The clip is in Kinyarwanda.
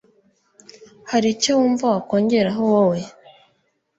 haricyo wumva wakongeraho wowe